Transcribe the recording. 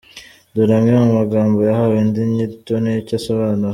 Dore amwe mu magambo yahawe indi nyito n’icyo asobanura.